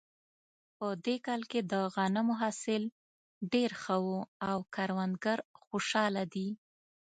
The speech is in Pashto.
په دې کال کې د غنمو حاصل ډېر ښه و او کروندګر خوشحاله دي